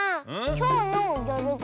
きょうの「よるご」